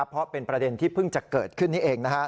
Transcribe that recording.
เพราะเป็นประเด็นที่เพิ่งจะเกิดขึ้นนี้เอง